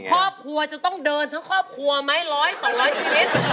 ครอบครัวจะต้องเดินทั้งครอบครัวไหมร้อยสองร้อยชีวิต